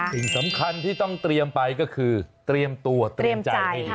สิ่งสำคัญที่ต้องเตรียมไปก็คือเตรียมตัวเตรียมใจให้ดี